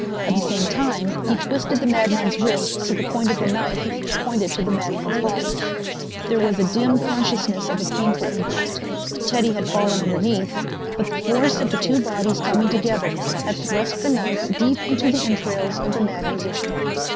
At the same time he twisted the madman's wrist so the point of the knife pointed to the madman's body. There was a dim consciousness of a painful impact. Teddy had fallen underneath, but the force of the two bodies coming together had thrust the knife deep into the entrails of the Mad Musician.